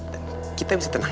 dan kita bisa tenang